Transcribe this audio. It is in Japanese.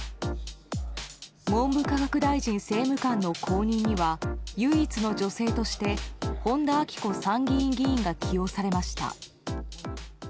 文部科学大臣政務官の後任には唯一の女性として本田顕子参議院議員が起用されました。